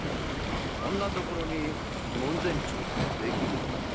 こんな所に門前町などできるのか？